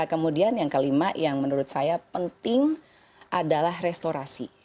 kemudian yang kelima yang menurut saya penting adalah restorasi